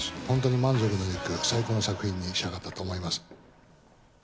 本当に満足のいく、最高の作品に仕上がったと思います。